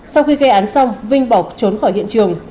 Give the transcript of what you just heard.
sau khi gây án xong vinh bỏ trốn khỏi hiện trường